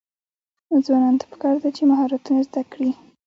ځوانانو ته پکار ده چې، مهارتونه زده کړي.